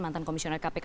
mantan komisioner kpk